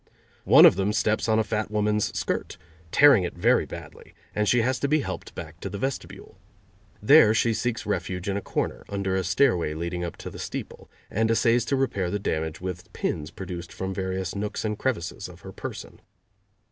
One of them steps on a fat woman's skirt, tearing it very badly, and she has to be helped back to the vestibule. There she seeks refuge in a corner, under a stairway leading up to the steeple, and essays to repair the damage with pins produced from various nooks and crevices of her person.